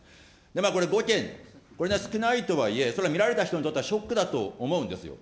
これ５件、これは少ないとはいえ、それは見られた人にとってはショックだと思うんですよ。